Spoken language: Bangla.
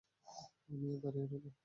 আমিও দাঁড়িয়ে রইলাম।